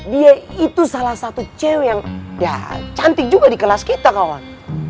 dia itu salah satu cewek yang ya cantik juga di kelas kita kawan